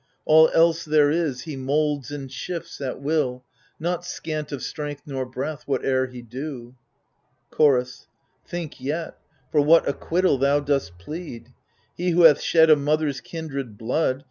All else there is, he moulds and shifts at will, Not scant of strength nor breath, whatever he do. Chorus Think yet, for what acquittal thou dost plead : He who hath shed a mother's kindred blood.